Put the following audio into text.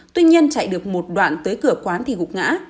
tuy nhiên chạy được một đoạn tới cửa quán thì gục ngã